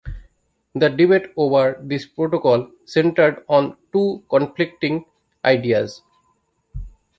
The debate over this protocol centered on two conflicting ideas.